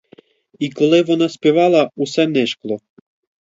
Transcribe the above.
І коли вона співала, усе нишкло.